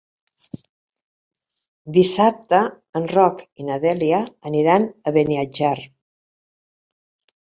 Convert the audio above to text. Dissabte en Roc i na Dèlia aniran a Beniatjar.